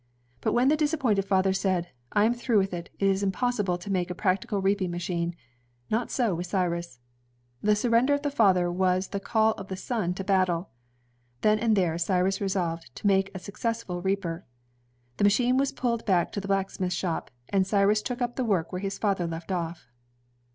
But when the disappointed father said, "I am through with it; it is impossible to make a practical reaping machine," not so with Cyrus. The surrender of the father was the call of the son to battle. Then and there Cyrus resolved to make a suc cessful reaper. The machine was pulled back to the blacksmith shop, and Cyrus took up the work where his father left oflf.